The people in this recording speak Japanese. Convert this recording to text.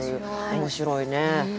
面白いね。